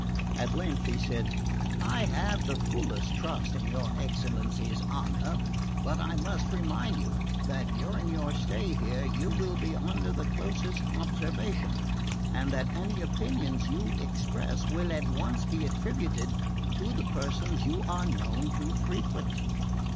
At length he said: "I have the fullest trust in your excellency's honour; but I must remind you that during your stay here you will be under the closest observation and that any opinions you express will at once be attributed to the persons you are known to frequent.